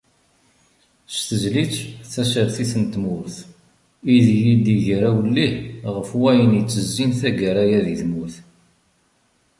S tezlit "Tasertit n tmurt" ideg i d-iger awellih ɣef wayen ittezzin taggara-a di tmurt.